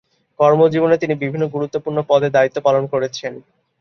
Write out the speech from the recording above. কর্মজীবনে তিনি বিভিন্ন গুরুত্বপূর্ণ পদে দায়িত্ব পালন করেছেন।